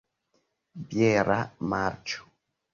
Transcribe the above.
Biera marĉo?